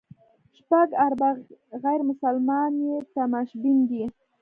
شپږ اربه غیر مسلمان یې تماشبین دي.